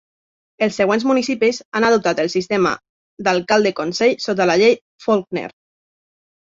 Els següents municipis han adoptat el sistema d'alcalde-consell sota la Llei Faulkner.